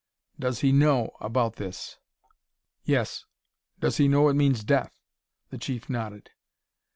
"Does he know about this?" "Yes." "Does he know it means death?" The Chief nodded.